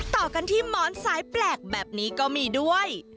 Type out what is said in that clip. ต่อกันที่หมอนสายแปลกแบบนี้ก็มีด้วย